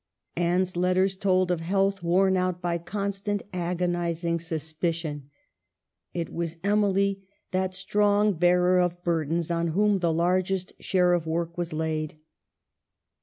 Anne's letters told of health worn out by con stant, agonizing suspicion. It was Emily, that strong bearer of burdens, on whom the largest share of work was laid.